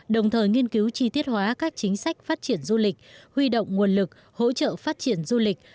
đồng thời nghiên cứu chi tiết hóa các chính sách phát triển du lịch huy động nguồn lực hỗ trợ phát triển du lịch